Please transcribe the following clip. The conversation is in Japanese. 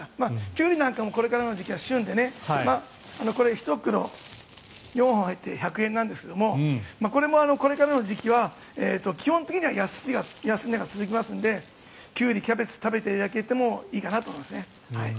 キュウリなんかもこれからの時期は旬でこれ、１袋４本入って１００円なんですがこれもこれからの時期は基本的には安値が続きますのでキュウリ、キャベツ食べていただいてもいいかなと思いますね。